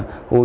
cho tôi đi